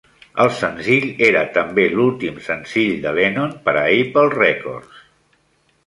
El senzill era també l'últim senzill de Lennon per a Apple Records.